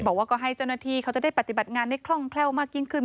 บอกว่าก็ให้เจ้าหน้าที่เขาจะได้ปฏิบัติงานได้คล่องแคล่วมากยิ่งขึ้น